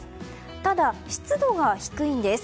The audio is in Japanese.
ただ、湿度が低いんです。